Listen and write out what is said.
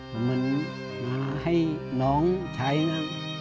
มันไหนมันให้น้องใช่นะ